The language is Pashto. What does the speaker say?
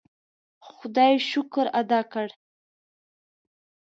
خدای شکر ادا کړ.